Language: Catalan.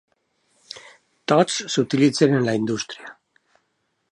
Tots s'utilitzen en la indústria.